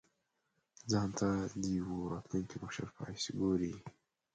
ځان ته د یوه راتلونکي مشر په حیث ګوري.